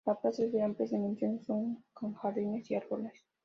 La plaza es de amplias dimensiones con jardines y árboles.